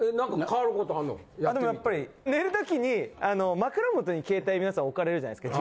やっぱり。寝る時に枕元に携帯皆さん置かれるじゃないですか。